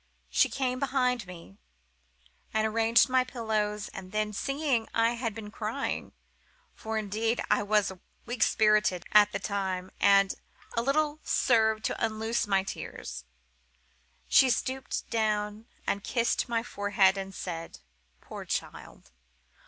She came behind me, and arranged my pillows, and then, seeing I had been crying—for, indeed, I was weak spirited at the time, and a little served to unloose my tears—she stooped down, and kissed my forehead, and said "Poor child!"